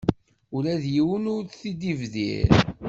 Ula d yiwen ur t-id-ibdir.